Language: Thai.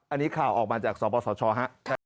อันนี้ข่าวออกมาจากสปสชครับ